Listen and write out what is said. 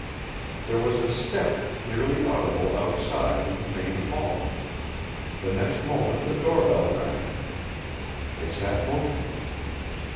There was a step clearly audible outside, in the main hall. The next moment the doorbell rang. They sat motionless.